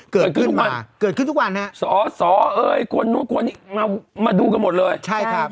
เกิดขึ้นทุกวันเกิดขึ้นทุกวันฮะสอสอเอ่ยคนนู้นคนนี้มามาดูกันหมดเลยใช่ครับ